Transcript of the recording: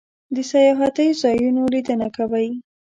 د سیاحتی ځایونو لیدنه کوئ؟